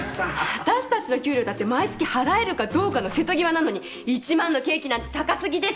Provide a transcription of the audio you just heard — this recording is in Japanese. わたしたちの給料だって毎月払えるかどうかの瀬戸際なのに１万のケーキなんて高すぎです！